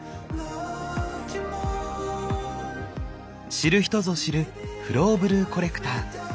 知る人ぞ知るフローブルーコレクター。